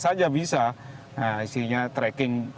saja bisa nah istinya tracking